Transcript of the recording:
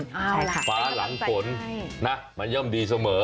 ฟ้าหลังฝนมันย่อมดีเสมอ